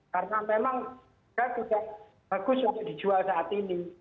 karena memang tidak bagus untuk dijual saat ini